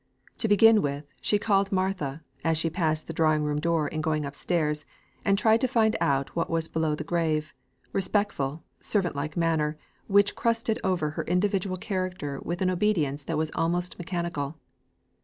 To begin with, she called in Martha, as she passed the drawing room door in going up stairs, and tried to find out what was below the grave, respectful, servant like manner, which crusted over her individual character with an obedience which was almost mechanical.